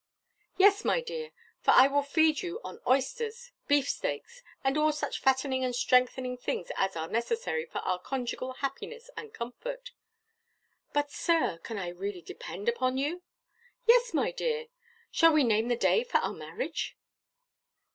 "Yes, my dear, for I will feed you on oysters, beef steaks, and all such fattening and strengthening things as are necessary for our conjugal happiness and comfort." "But, Sir, can I really depend upon you?" "Yes, my dear, shall we name the day for our marriage?"